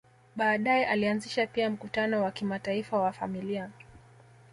Baadae alianzisha pia mkutano wa kimataifa wa familia